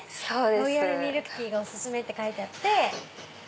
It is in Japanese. ロイヤルミルクティーがお薦めって書いてあって。